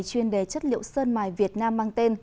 chuyên đề chất liệu sơn mài việt nam mang tên